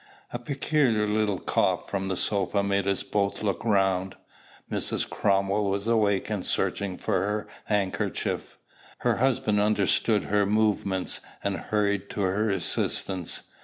A peculiar little cough from the sofa made us both look round. Mrs. Cromwell was awake, and searching for her handkerchief. Her husband understood her movements, and hurried to her assistance.